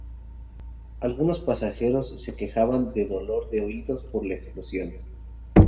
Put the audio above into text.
Algunos pasajeros se quejaban de dolor de oídos por la explosión.